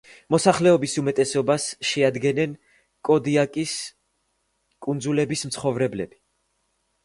მოსახლეობის უმეტესობას შეადგენდნენ კოდიაკის კუნძულების მაცხოვრებლები.